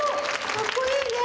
かっこいいね。